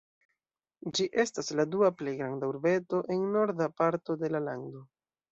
Ĝi estas la dua plej granda urbeto en norda parto de la lando.